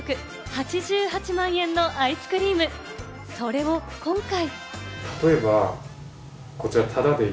８８万円のアイスクリーム、それを今回。